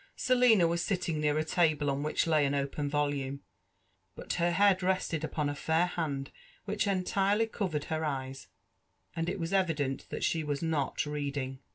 Selina was sitting near a table on which layan open volume ; but her head rested upon a fair hand which entirely coi^ered her eyes, and it wa0 evident that she was not reading.